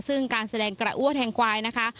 ซึ่งการแสดงกระอ้วแทงควายนะคะ